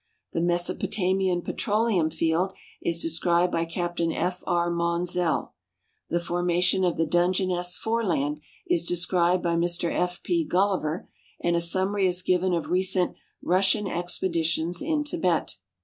''The Meso potamian Petroleum Field " is described by Capt. F. R. Maunsell. " The Formation of the Dungeness Foreland " is described by Mr F. P. Gulliver, and a summary is given of recent " Russian Expeditions in. Tibet."